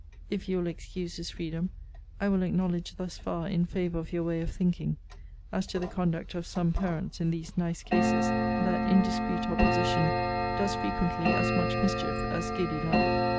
If you will excuse this freedom, I will acknowledge thus far in favour of your way of thinking, as to the conduct of some parents in these nice cases, that indiscreet opposition does frequently as much mischief as giddy love.